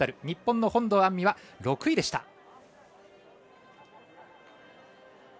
日本の本堂杏実は６位でした。